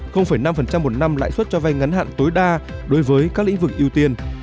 năm một năm lãi suất trở về ngắn hạn tối đa đối với các lĩnh vực ưu tiên